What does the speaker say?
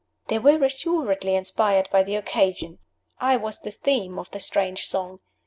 They were assuredly inspired by the occasion; I was the theme of the strange song.